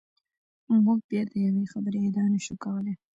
موږ بیا د یوې خبرې ادعا نشو کولای.